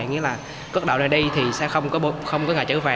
nghĩa là có đảo này đi thì sao không có người trở về